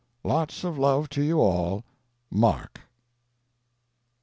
Lots of love to you all. Mask.